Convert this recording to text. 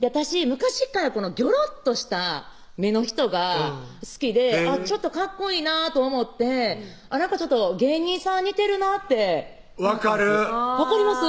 昔っからギョロッとした目の人が好きでちょっとかっこいいなと思って芸人さん似てるなって分かる分かります？